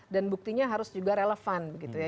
dan buktinya harus juga relevan gitu ya